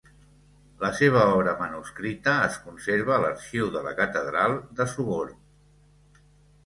La seva obra manuscrita es conserva a l'arxiu de la catedral de Sogorb.